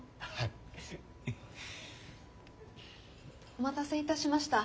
お待たせいたしました。